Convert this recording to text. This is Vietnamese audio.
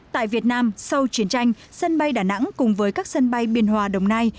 tại việt nam sau chiến tranh sân bay đà nẵng cùng với các sân bay biên hòa đồng nai